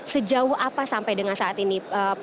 sejauh apa sampai dengan saat ini